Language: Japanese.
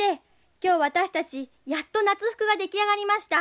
今日私たちやっと夏服が出来上がりました。